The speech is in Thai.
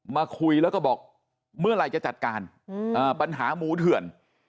มาคุยแล้วก็บอกเมื่อไหร่จะจัดการปัญหาหมูเถื่อน